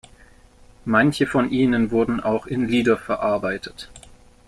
Manche von ihnen wurden auch in Lieder verarbeitet.